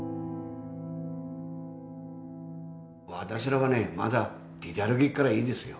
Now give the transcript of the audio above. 私らはねまだ出て歩けっからいいですよ